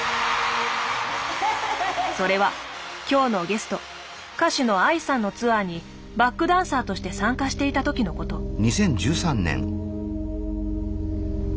それは今日のゲスト歌手のＡＩさんのツアーにバックダンサーとして参加していた時のこと。